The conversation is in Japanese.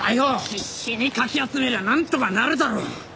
必死にかき集めりゃなんとかなるだろ！